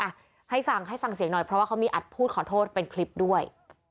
อ่ะให้ฟังให้ฟังเสียงหน่อยเพราะว่าเขามีอัดพูดขอโทษเป็นคลิปด้วย